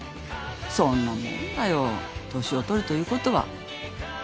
そんなもんだよ年を取るということは